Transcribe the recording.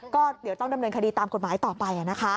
ก็เดี๋ยวต้องดำเนินคดีตามกฎหมายต่อไป